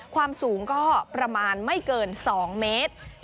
ความสูงก็ประมาณไม่เกิน๒เมตร